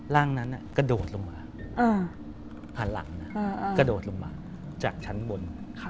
ร่างนั้นกระโดดลงมาหันหลังกระโดดลงมาจากชั้นบน